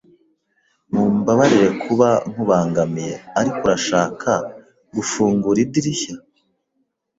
Mumbabarire kuba nkubangamiye, ariko urashaka gufungura idirishya?